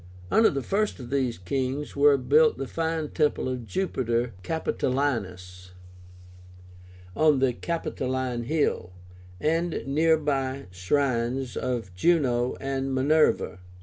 Under the first of these kings were built the fine temple of JUPITER CAPITOLÍNUS, on the Capitoline Hill, and near by shrines to JUNO and MINERVA.